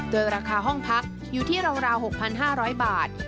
โดยราคาห้องพักอยู่ที่ราว๖๕๐๐บาท